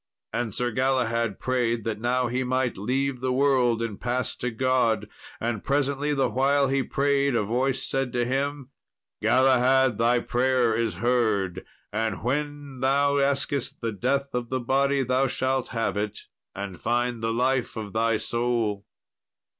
And Sir Galahad prayed that now he might leave the world and pass to God. And presently, the while he prayed, a voice said to him, "Galahad, thy prayer is heard, and when thou asketh the death of the body thou shalt have it, and find the life of thy soul."